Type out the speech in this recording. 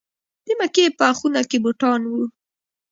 د مکې په خونه کې بوتان وو.